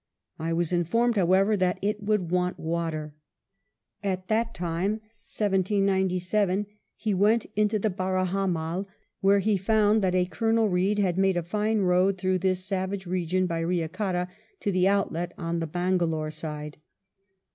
I was informed, however, that it would want water." At that time, 1797, he went into the Barahmahal, where he found that a Colonel Read had made a fine road through this savage region by Eyacotta to the outlet on the Bangalore side.